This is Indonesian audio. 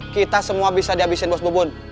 kita semua bisa dihabisin bos bebun